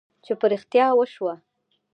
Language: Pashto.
چې په رښتیا وشوه.